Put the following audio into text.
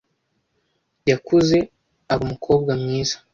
Yakuze aba umukobwa mwiza.